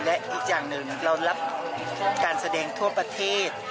และอีกอย่างหนึ่งเรารับการแสดงทั่วประเทศ